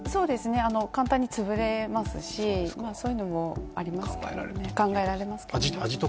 簡単につぶれますしそういうのも考えられます。